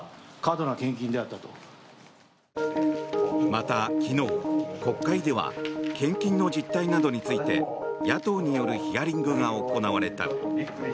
また、昨日、国会では献金の実態などについて野党によるヒアリングが行われた。